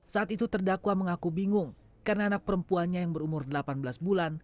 saat itu terdakwa mengaku bingung karena anak perempuannya yang berumur delapan belas bulan